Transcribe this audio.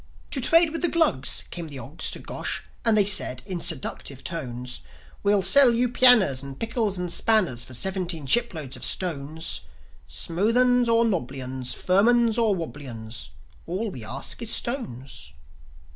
To trade with the Glugs came the Ogs to Gosh, And they said in seductive tones, "We'll sell you pianers and pickels and spanners For seventeen shiploads of stones: Smooth 'uns or nobbly 'uns, Firm 'uns or wobbly 'uns, All we ask is stones."